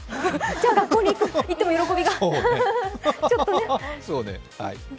じゃあ、学校に行っても喜びが、ちょっとね。